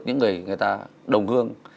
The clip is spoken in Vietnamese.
những người người ta đồng hương